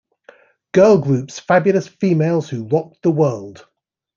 Girl Groups-Fabulous Females Who Rocked The World.